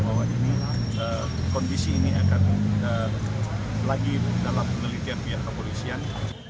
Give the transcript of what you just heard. bahwa ini kondisi ini akan lagi dalam penelitian pihak kepolisian